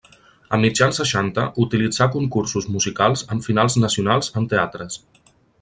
A mitjan seixanta, utilitzà concursos musicals amb finals nacionals en teatres.